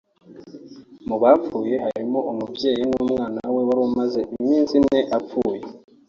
Mu bapfuye harimo umubyeyi n’umwana we wari umaze iminsi ine avutse